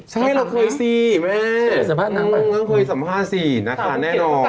ใช่เราเคยสีแม่อืมก็เคยสัมภาษณ์สินะคะแน่นอน